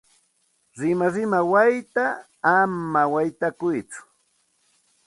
Rimarima wayta ama waytakuytsu.